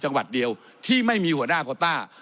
จังหวัดเดียวที่ไม่มีหัวหน้าโคต้า